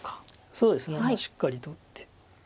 そうですねしっかりと打って。